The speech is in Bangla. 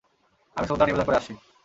আমি শ্রদ্ধা নিবেদন করে আসছি।